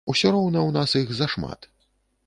Усё роўна у нас іх зашмат.